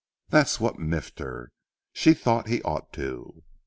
That's what miffed her. She thought he ought to.